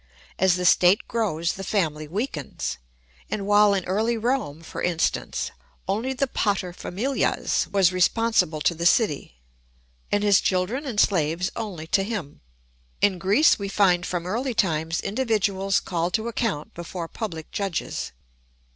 As the state grows the family weakens; and while in early Rome, for instance, only the pater familias was responsible to the city, and his children and slaves only to him, in Greece we find from early times individuals called to account before public judges.